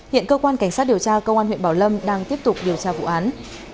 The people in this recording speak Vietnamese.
hiện cơ quan cảnh sát điều tra công an huyện bảo lâm đang tiếp tục điều tra vụ án